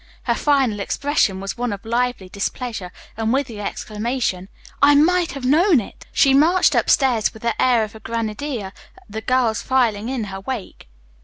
Her final expression was one of lively displeasure, and with the exclamation, "I might have known it!" she marched upstairs with the air of a grenadier, the girls filing in her wake.